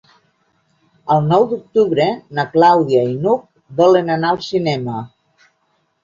El nou d'octubre na Clàudia i n'Hug volen anar al cinema.